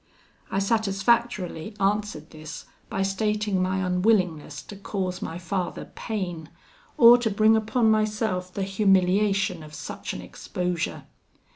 I satisfactorily answered this by stating my unwillingness to cause my father pain, or to bring upon myself the humiliation of such an exposure.